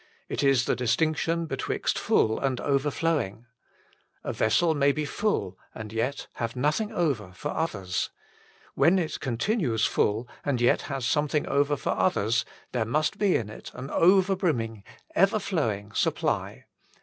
It is the distinction betwixt full and overflowing. A vessel may be full and yet have nothing over for others. When it continues full, and yet has something over for others, there must be in it an over brimming, ever flowing supply.